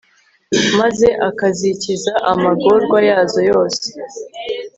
maze akazikiza amagorwa yazo yose